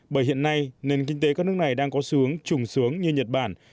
bởi hiện nay nền kinh tế các nước này đang có xu hướng trùng xuống như nhật bản